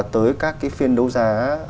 tới các cái phiên đấu giá